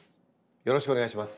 よろしくお願いします。